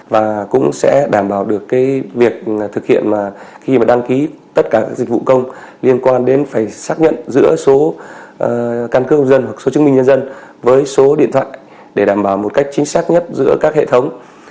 và cũng sẽ đảm bảo được cái việc thực hiện mà khi mà đăng ký tất cả dịch vụ công liên quan đến phải xác nhận giữa số căn cước công dân hoặc số chứng minh nhân dân với số điện thoại để đảm bảo một cách chính xác nhất giữa các hệ thống